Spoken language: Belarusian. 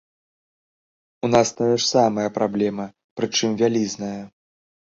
У нас тая ж самая праблемы, прычым вялізная.